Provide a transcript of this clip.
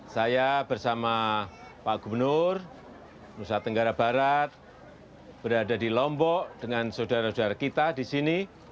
saya bersama pak gubernur nusa tenggara barat berada di lombok dengan saudara saudara kita di sini